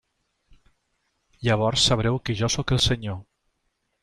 Llavors sabreu que jo sóc el Senyor.